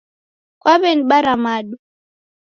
Kwaw'enibara madu